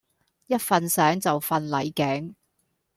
一瞓醒就瞓捩頸